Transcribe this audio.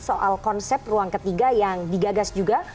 soal konsep ruang ketiga yang digagas juga